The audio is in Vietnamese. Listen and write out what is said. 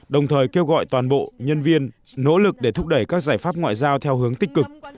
đồng thời kêu gọi toàn bộ nhân viên nỗ lực để thúc đẩy các giải pháp ngoại giao theo hướng tích cực